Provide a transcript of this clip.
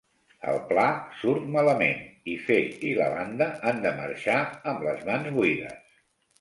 El pla surt malament, i Fait i la banda han de marxar amb les mans buides.